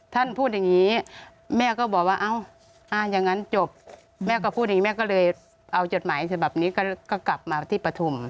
ท่านพูดอย่างนี้แม่ก็บอกว่าเอ้าอย่างนั้นจบแม่ก็พูดอย่างนี้แม่ก็เลยเอาจดหมายฉบับนี้ก็กลับมาที่ปฐุม